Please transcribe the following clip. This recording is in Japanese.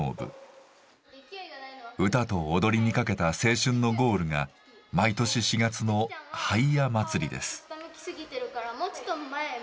歌と踊りに懸けた青春のゴールが毎年４月のハイヤ祭りです。